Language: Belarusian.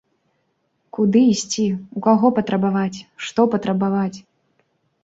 Куды ісці, у каго патрабаваць, што патрабаваць?!